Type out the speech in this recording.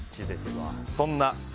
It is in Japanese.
そんな激